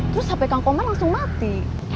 terus hp kang komar langsung mati